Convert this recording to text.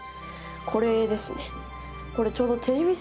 これですね。